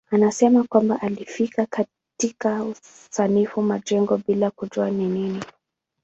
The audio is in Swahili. Anasema kwamba alifika katika usanifu majengo bila kujua ni nini.